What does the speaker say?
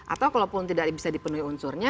atau kalau pun tidak bisa dipenuhi unsurnya